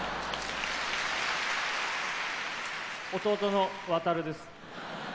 弟の航です。